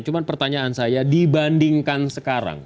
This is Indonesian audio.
cuma pertanyaan saya dibandingkan sekarang